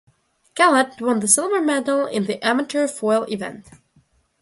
Callot won the silver medal in the amateur foil event.